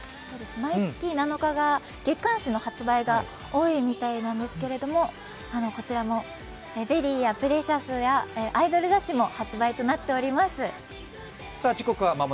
毎月７日が月刊誌の発売が多いみたいですけどこちらも「ＶＥＲＹ」や「プレシャス」やアイドル雑誌も発売となっております。